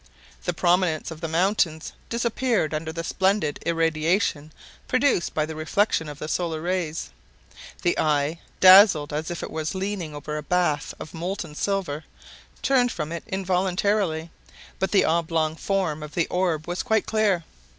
The prominence of the mountains disappeared under the splendid irradiation produced by the reflection of the solar rays. The eye, dazzled as if it was leaning over a bath of molten silver, turned from it involuntarily; but the oblong form of the orb was quite clear.